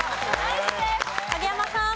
影山さん。